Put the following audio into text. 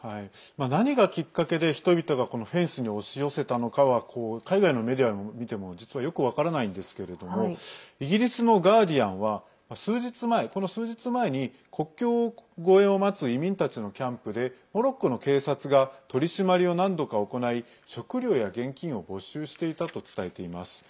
何がきっかけで人々がフェンスに押し寄せたのかは海外のメディアを見ても、実はよく分からないんですけれどもイギリスのガーディアンはこの数日前に国境越えを待つ移民たちのキャンプでモロッコの警察が取り締まりを何度か行い食料や現金を没収していたと伝えています。